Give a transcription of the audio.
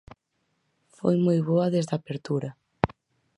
Foi moi boa desde a apertura.